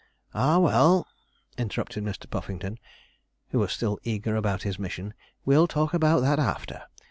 'Ah, well,' interrupted Mr. Puffington, who was still eager about his mission, 'we'll talk about that after.